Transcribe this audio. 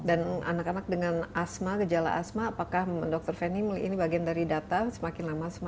dan anak anak dengan asma gejala asma apakah dokter feni melihat bagian dari data semakin lama semakin bertambah jumlahnya